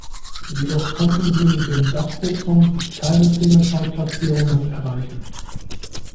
Jedoch konnten sie mit dem Dubstep-Song keine Single-Chart-Platzierungen erreichen.